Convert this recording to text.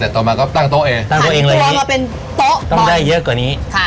ต่อมาก็ตั้งโต๊ะเองตั้งตัวเองเลยต้องได้เยอะกว่านี้